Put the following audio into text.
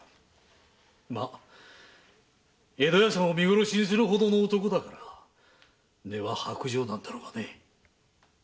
江戸屋さんを見殺しにするほどの男だから根は薄情なんだろうが。